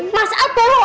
masa tuh lu